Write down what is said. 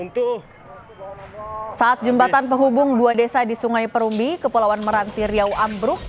saat jembatan penghubung dua desa di sungai perumbi kepulauan meranti riau ambruk